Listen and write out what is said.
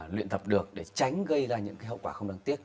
luyện tập được để tránh gây ra những hậu quả không đáng tiếc